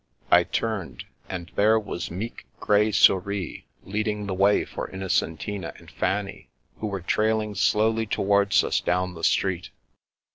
I turned, and there was meek, grey Souris lead ing the way for Innocentina and Fanny, who were trailing slowly towards us down the street.